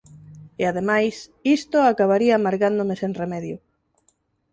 E, ademais, isto acabaría amargándome sen remedio.